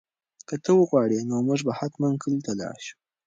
که ته وغواړې نو موږ به حتماً کلي ته لاړ شو.